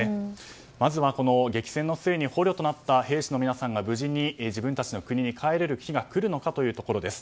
まずは、激戦の末に捕虜となった兵士の皆さんが無事に自分たちの国に帰れる日が来るのかというところです。